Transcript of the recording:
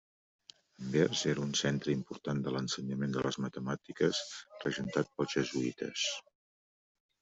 Anvers era un centre important de l'ensenyament de les matemàtiques regentat pels jesuïtes.